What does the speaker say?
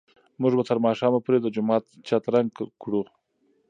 موږ به تر ماښامه پورې د جومات چت رنګ کړو.